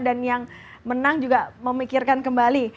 dan yang menang juga memikirkan kembali